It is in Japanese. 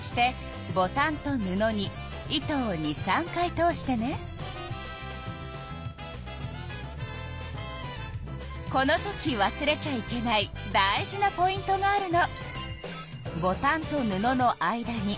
そしてこのときわすれちゃいけない大事なポイントがあるの。